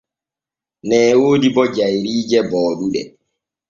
Nee woodi bo jayriije booɗuɗe.